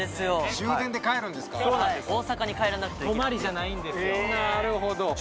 終電で帰るんですか大阪に帰らなくてはいけなくて泊まりじゃないんですよ